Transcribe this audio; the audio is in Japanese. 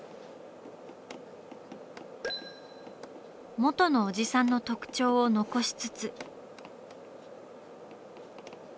元のおじさんの特徴を残しつつ。